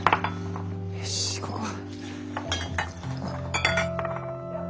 よし行こうか。